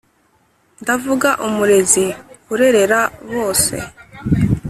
Ndavuga umurezi urerera bose,